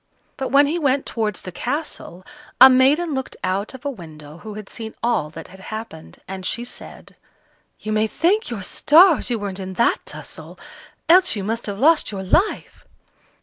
But when he went towards the castle, a maiden looked out of a window who had seen all that had happened, and she said: "You may thank your stars you weren't in that tussle, else you must have lost your life."